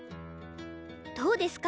どうですか？